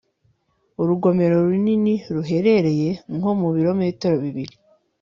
urugomero runini ruherereye nko mu bilometero bibri